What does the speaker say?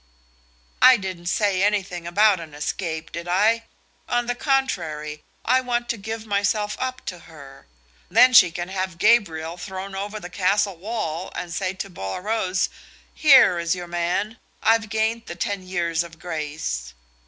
"I didn't say anything about an escape, did I? On the contrary, I want to give myself up to her. Then she can have Gabriel thrown over the castle wall and say to Bolaroz, 'Here is your man; I've gained the ten years of grace.'